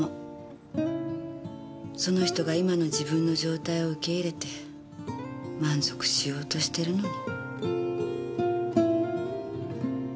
その人が今の自分の状態を受け入れて満足しようとしてるのに。